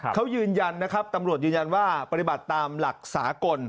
เขายืนยันนะครับตำรวจยืนยันว่าปฏิบัติตามหลักสากล